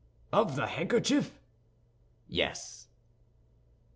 "Of the handkerchief?" "Yes."